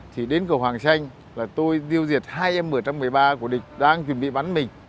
thì đến cầu hoàng xanh là tôi tiêu diệt hai m một trăm một mươi ba của địch đang chuẩn bị bắn mình